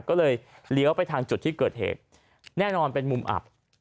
ก็เลยเลี้ยวไปทางจุดที่เกิดเหตุแน่นอนเป็นมุมอับ